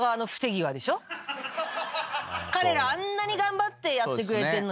彼らあんなに頑張ってやってくれてんのに。